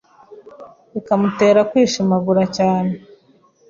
bikamutera no kwishimagura cyane,